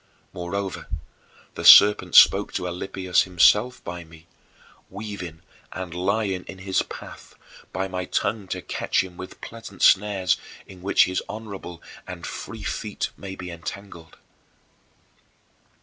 Moreover, the serpent spoke to Alypius himself by me, weaving and lying in his path, by my tongue to catch him with pleasant snares in which his honorable and free feet might be entangled.